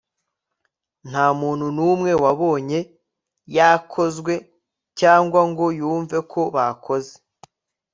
ntamuntu numwe wabonye yakozwe cyangwa ngo yumve ko bakoze